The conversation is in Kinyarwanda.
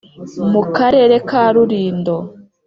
mu karere ka rulindo,